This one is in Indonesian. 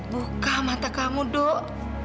buka mata kamu duk